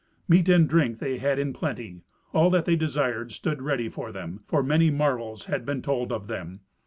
Meat and drink they had in plenty. All that they desired stood ready for them, for many marvels had been told of them.